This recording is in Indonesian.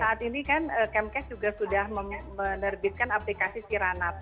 saat ini kan kemkes juga sudah menerbitkan aplikasi siranap